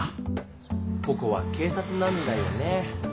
ここはけいさつなんだよね。